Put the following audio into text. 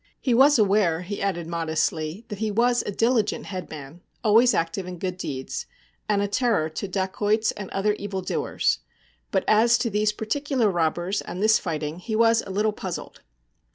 He was aware, he added modestly, that he was a diligent headman, always active in good deeds, and a terror to dacoits and other evil doers; but as to these particular robbers and this fighting he was a little puzzled.